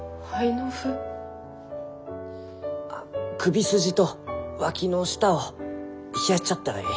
あ首筋とわきの下を冷やしちゃったらえい。